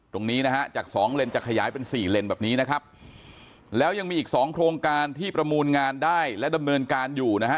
ตรงนี้นะฮะจากสองเลนจะขยายเป็นสี่เลนแบบนี้นะครับแล้วยังมีอีกสองโครงการที่ประมูลงานได้และดำเนินการอยู่นะฮะ